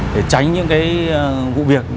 để tránh những cái vụ việc